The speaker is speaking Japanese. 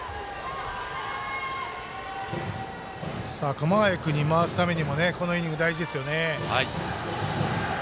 熊谷君に回すためにもこのイニング、大事ですよね。